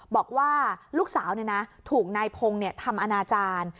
บอกว่าลูกสาวถูกนายพงศ์ทำอนาจารย์